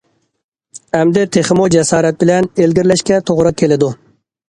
ئەمدى تېخىمۇ جاسارەت بىلەن ئىلگىرىلەشكە توغرا كېلىدۇ.